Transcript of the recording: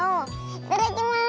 いただきます！